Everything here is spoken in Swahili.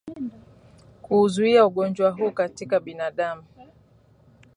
Kuuzuia ugonjwa huu katika binadamu